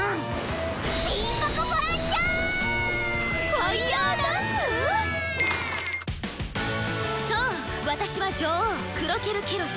ファイヤーダンス⁉そう私は女王クロケル・ケロリ。